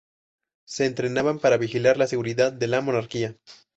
Se entrenaban para vigilar la seguridad de la Monarquía.